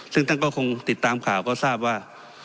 ซึ่งท่านก็คงติดตามข่าวก็ทราบว่า